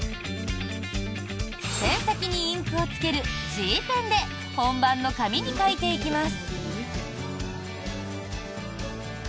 ペン先にインクをつけるＧペンで本番の紙に描いていきます。